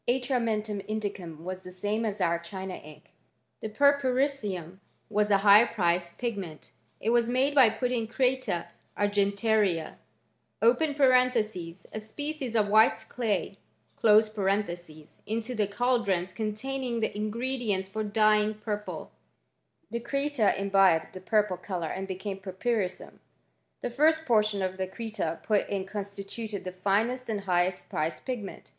Atrm^ mentum indicum was the same as our China ink. The purpurissum was a high priced pigment, h was made by putting creta argentaria (a species <rf white clay) into the caldrons containing the ingfOM dienU for dying purple. The creta imbibed the purpli colour and became purpurissum. The first portion cl creta put in constituted the finest and highest pricat pigment.